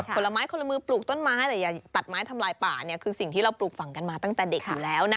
ผลไม้คนละมือปลูกต้นไม้แต่อย่าตัดไม้ทำลายป่าเนี่ยคือสิ่งที่เราปลูกฝั่งกันมาตั้งแต่เด็กอยู่แล้วนะ